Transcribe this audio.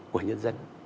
của nhân dân